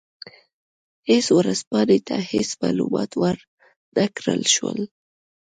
هېڅ ورځپاڼې ته هېڅ معلومات ور نه کړل شول.